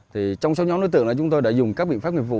trong sáu nhóm đối tượng chúng tôi đã dùng các biện pháp nghiệp vụ